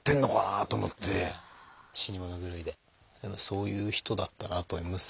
死に物狂いでそういう人だったなと思います。